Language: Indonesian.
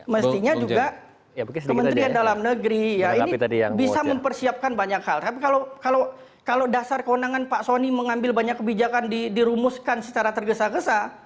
mestinya juga kementerian dalam negeri ya ini bisa mempersiapkan banyak hal tapi kalau dasar kewenangan pak soni mengambil banyak kebijakan dirumuskan secara tergesa gesa